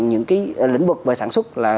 những cái lĩnh vực về sản xuất